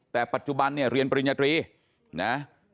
แต่ปัจจุบันเนี่ยเรียนปริญญาตรีนะ